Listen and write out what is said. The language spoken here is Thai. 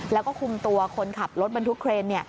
แล้วก็คุมตัวคนขับรถบรรทุกเครน